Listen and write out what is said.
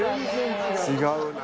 違うなぁ。